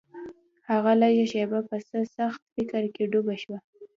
هغه لږه شېبه په څه سخت فکر کې ډوبه شوه.